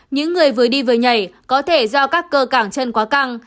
những người vừa đi vừa nhảy có thể do các cơ cảng chân quá căng